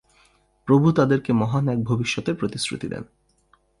প্রভু তাদেরকে মহান এক ভবিষ্যতের প্রতিশ্রুতি দেন।